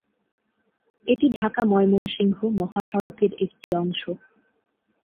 এটি ঢাকা-ময়মনসিংহ মহাসড়কের একটি অংশ।